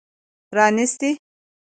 پرانیستي